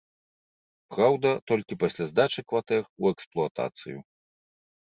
Праўда, толькі пасля здачы кватэр у эксплуатацыю.